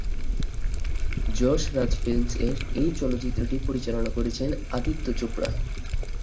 যশ রাজ ফিল্মস-এর এই চলচ্চিত্রটি পরিচালনা করেছেন আদিত্য চোপড়া।